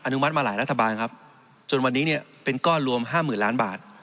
นุมัติมาหลายรัฐบาลครับจนวันนี้เนี่ยเป็นก้อนรวมห้าหมื่นล้านบาท